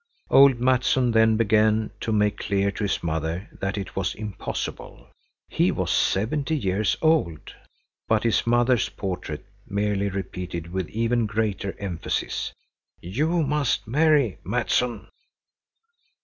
Old Mattsson then began to make clear to his mother that it was impossible. He was seventy years old.—But his mother's portrait merely repeated with even greater emphasis: "You must marry, Mattsson."